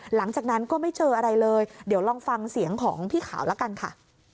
หลังจากนั้นก็ไม่เจออะไรเลยเดี๋ยวลองฟังเสียงของพี่ขาวละกันค่ะ